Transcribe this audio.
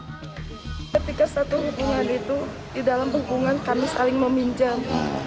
ketika satu hubungan itu di dalam hubungan kami saling meminjam